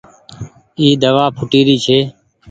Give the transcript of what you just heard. اي دوآ ڦوٽي ري ڇي۔